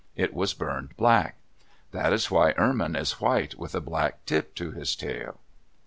It was burned black. That is why Ermine is white with a black tip to his tail.